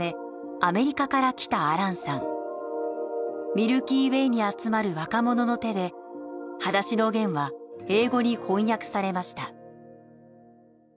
ミルキーウェイに集まる若者の手で『はだしのゲン』は英語に翻訳されました。